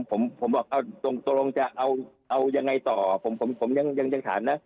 ผมผมบอกตรงตรงจะเอาเอายังไงต่อผมผมผมผมยังยังถามนะ